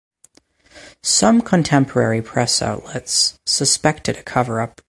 Some contemporary press outlets suspected a cover-up.